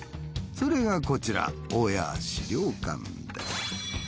それがこちら大谷資料館です。